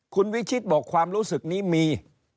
คุณวิชิตบอกความรู้สึกนี้มี